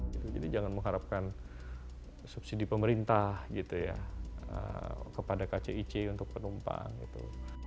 jadi jangan mengharapkan subsidi pemerintah gitu ya kepada kcic untuk penumpang gitu